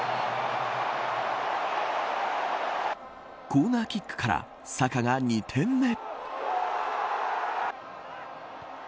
コーナーキックからサカが２点目。